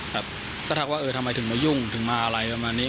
ครับก็ทักว่าเออทำไมถึงมายุ่งถึงมาอะไรประมาณนี้